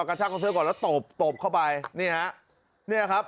กระชากคอเสื้อก่อนแล้วตบตบเข้าไปนี่ฮะเนี่ยครับ